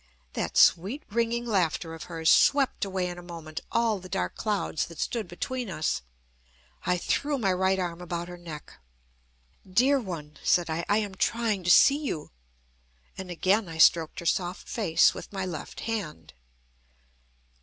That sweet ringing laughter of hers swept away in a moment all the dark clouds that stood between us. I threw my right arm about her neck. "Dear one," said I, "I am trying to see you." And again I stroked her soft face with my left hand.